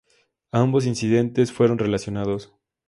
Ambos incidentes no fueron relacionados.